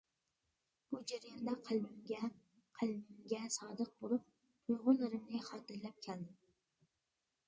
بۇ جەرياندا قەلبىمگە، قەلىمىمگە سادىق بولۇپ، تۇيغۇلىرىمنى خاتىرىلەپ كەلدىم.